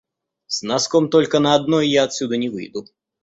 С носком только на одной я отсюда не выйду!